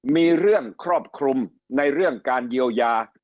มีเรื่องครอบคลุมในเรื่องการเยียวยา